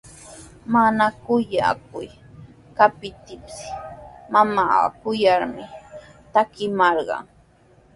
Mana kuyakuq kaptiipis mamaaqa kuyamarmi traskimarqan.